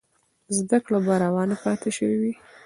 زده کړه به روانه پاتې سوې وي.